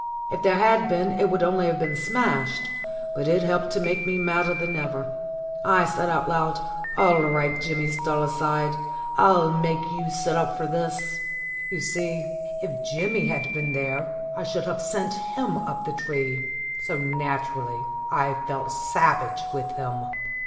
If there had been it would only have been smashed; but it helped to make me madder than ever. I said out loud : "All right, Jimmy Stalside, I'll make you sit up for this." You see, if Jimmy had been there I should have sent him up the tree; so naturally I felt savage with him.